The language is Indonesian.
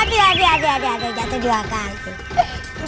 aduh aduh aduh jatuh di wakasin